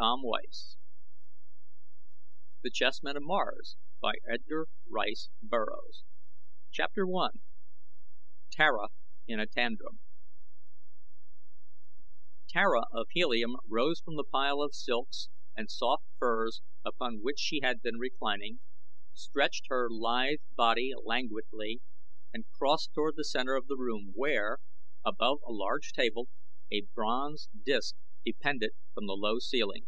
It is a strange tale and utterly Barsoomian. CHAPTER I TARA IN A TANTRUM Tara of Helium rose from the pile of silks and soft furs upon which she had been reclining, stretched her lithe body languidly, and crossed toward the center of the room, where, above a large table, a bronze disc depended from the low ceiling.